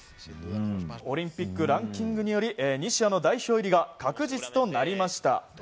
オリンピックランキングにより西矢の代表入りが確実となりました。